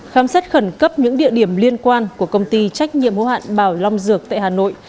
khám xét khẩn cấp những địa điểm liên quan của công ty trách nhiệm hữu hạn bảo long dược tại hà nội